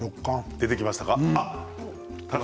出てきましたか？